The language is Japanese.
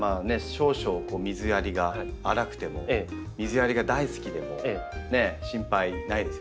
少々水やりが荒くても水やりが大好きでも心配ないですよね。